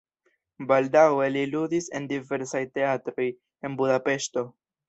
Baldaŭe li ludis en diversaj teatroj en Budapeŝto.